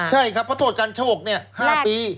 ใช่ครับเพราะโทษการโชค๕ปี